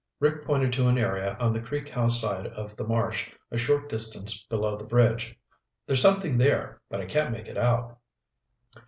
Rick pointed to an area on the Creek House side of the marsh, a short distance below the bridge. "There's something there, but I can't make it out."